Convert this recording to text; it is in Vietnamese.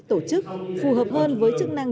tổ chức phù hợp hơn với chức năng